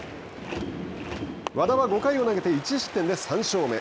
和田は５回を投げて１失点で３勝目。